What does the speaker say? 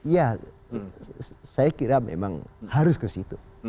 ya saya kira memang harus kesitu